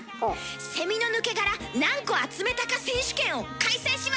「セミの抜け殻何個集めたか選手権」を開催します！